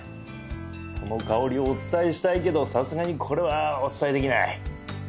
この香りをお伝えしたいけどさすがにこれはお伝えできない。